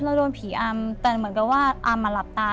เราโดนผีอามแต่เหมือนกันว่าอามมาหลับตา